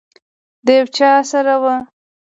د یو چا سره وه.